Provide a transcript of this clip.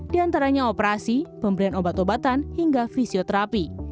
diantaranya operasi pemberian obat obatan hingga fisioterapi